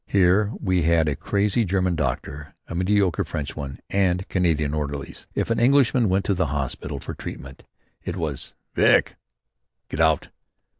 Here we had a crazy German doctor, a mediocre French one and Canadian orderlies. If an Englishman went to the hospital for treatment it was "Vick!" Get out.